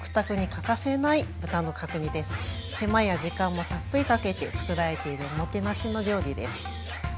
手間や時間もたっぷりかけて作られているおもてなしの料理です。